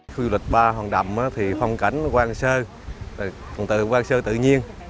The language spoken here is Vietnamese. khu du lịch ba hòn đầm thì phong cảnh quang sơ tự nhiên